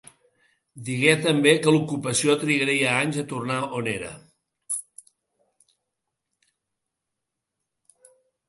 Digué també que l’ocupació trigaria anys a tornar on era.